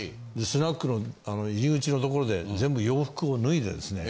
スナックの入り口の所で全部洋服を脱いでですね